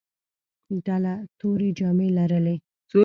ډله تورې جامې لرلې.